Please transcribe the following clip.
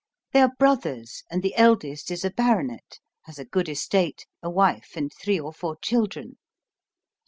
They are brothers; and the eldest is a baronet, has a good estate, a wife and three or four children.